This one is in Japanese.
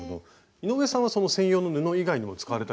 井上さんはその専用の布以外にも使われたりするんですか？